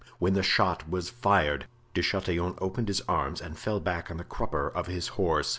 when the shot was fired. De Chatillon opened his arms and fell back on the crupper of his horse.